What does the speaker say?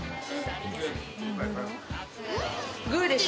店員：グーでしょ？